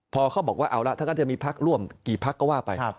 พอเขาบอกว่าเอาละถ้างั้นจะมีพักร่วมกี่พักก็ว่าไป